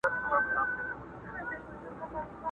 نیم وجود دي په زړو جامو کي پټ دی!!.